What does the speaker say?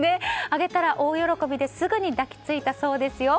あげたら大喜びですぐに抱き着いたそうですよ。